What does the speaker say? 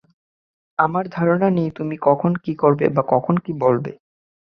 আমি ধারণাই নেই তুমি কখন কী করবে বা কখন কী বলবে।